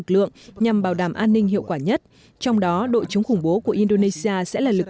lượng nhằm bảo đảm an ninh hiệu quả nhất trong đó đội chống khủng bố của indonesia sẽ là lực